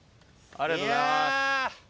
ありがとうございます。